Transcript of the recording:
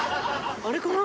あれかな？